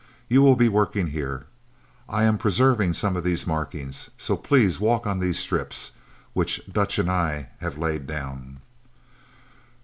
You will be working here. I am preserving some of these markings. So please walk on these strips, which Dutch and I have laid down."